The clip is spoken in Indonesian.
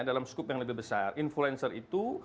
dalam skup yang lebih besar influencer itu